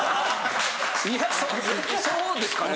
いやそうですかね。